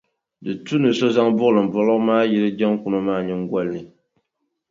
Di tu ni so zaŋ buɣilimbuɣiliŋ maa yili jaŋkuno maa nyiŋgoli ni.